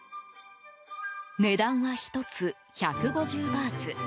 値段は１つ、１５０バーツ。